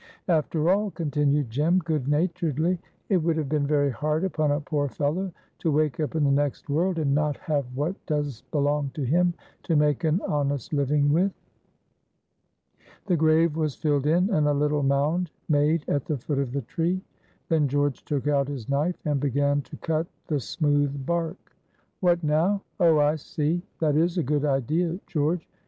"After all," continued Jem, good naturedly, "it would have been very hard upon a poor fellow to wake up in the next world and not have what does belong to him to make an honest living with." The grave was filled in, and a little mound made at the foot of the tree. Then George took out his knife and began to cut the smooth bark. "What now? Oh, I see. That is a good idea, George.